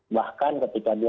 bahkan ketika dia sudah bayarnya